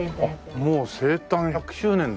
もう生誕１００周年だ。